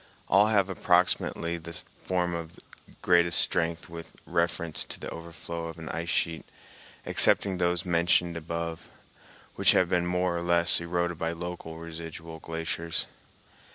All have approximately the form of greatest strength with reference to the overflow of an ice sheet, excepting those mentioned above, which have been more or less eroded by local residual glaciers.